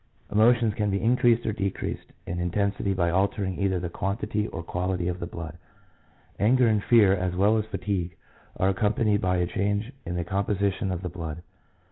Emotions can be increased or decreased in in tensity by altering either the quantity or quality of the blood. Anger and fear, as well as fatigue, are accompanied by a change in the composition of the blood.